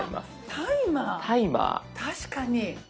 確かに。